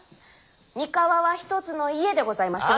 三河は一つの家でございましょう？